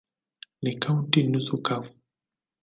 Ni kaunti nusu kavu.